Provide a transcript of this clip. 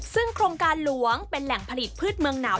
ซึ่งโครงการหลวงเป็นแหล่งผลิตพืชเมืองหนาว